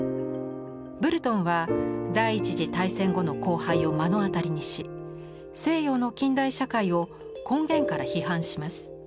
ブルトンは第１次大戦後の荒廃を目の当たりにし西洋の近代社会を根源から批判します。